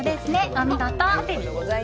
お見事！